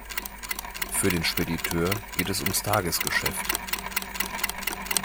Für den Spediteur geht es ums Tagesgeschäft.